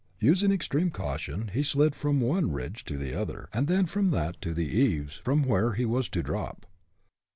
Using extreme caution, he slid from one ridge to the other, and then from that to the eaves, from where he was to drop.